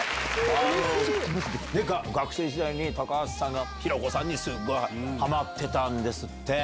えっ⁉学生時代に高橋さんが寛子さんにすっごいハマってたんですって。